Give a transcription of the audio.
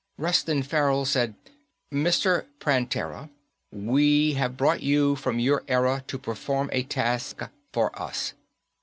Reston Farrell said, "Mr. Prantera, we have brought you from your era to perform a task for us."